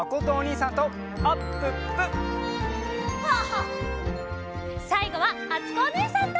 さいごはあつこおねえさんと！